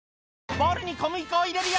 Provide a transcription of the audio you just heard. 「ボウルに小麦粉を入れるよ」